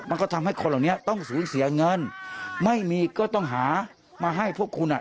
มันก็ทำให้คนเหล่านี้ต้องสูญเสียเงินไม่มีก็ต้องหามาให้พวกคุณอ่ะ